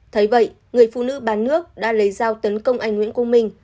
thấy vậy người phụ nữ bán nước đã lấy dao tấn công anh nguyễn công minh